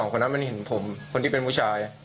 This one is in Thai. จริงผมที่เป็นผู้ชาย